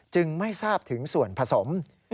ไม่ทราบถึงส่วนผสม